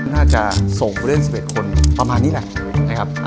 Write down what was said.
น่าจะส่งาเล่น๑๑คนประมาณนี้แหละอั้นเลย